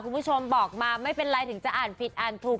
คุณผู้ชมบอกมาไม่เป็นไรถึงจะอ่านผิดอ่านถูก